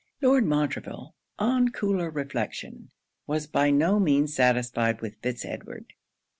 Lord Montreville, on cooler reflection, was by no means satisfied with Fitz Edward.